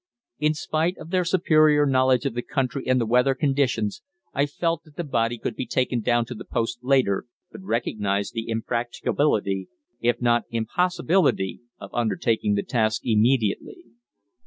In spite of their superior knowledge of the country and the weather conditions, I felt that the body could be taken down to the post later, but recognised the impracticability, if not impossibility, of undertaking the task immediately.